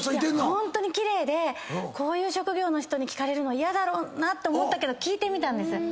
ホントに奇麗でこういう職業の人に聞かれるの嫌だろうなって思ったけど聞いてみたんです。